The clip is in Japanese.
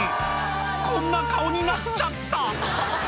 「こんな顔になっちゃった」